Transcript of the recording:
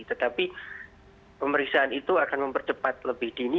tetapi pemeriksaan itu akan mempercepat lebih dini